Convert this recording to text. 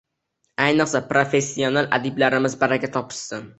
Ayniqsa, professional adiblarimiz, baraka topishsin.